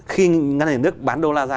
khi ngân sách nhà nước bán đô la ra